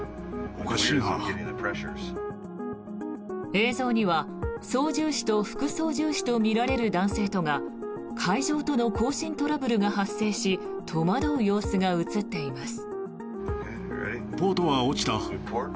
映像には、操縦士と副操縦士とみられる男性とが海上との交信トラブルが発生し戸惑う様子が映っています。